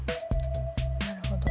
なるほど。